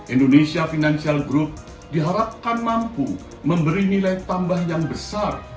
indonesia financial group diharapkan mampu memberi nilai tambah yang besar